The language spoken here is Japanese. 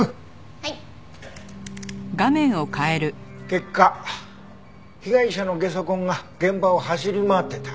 結果被害者のゲソ痕が現場を走り回ってた。